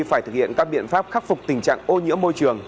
phải thực hiện các biện pháp khắc phục tình trạng ô nhiễm môi trường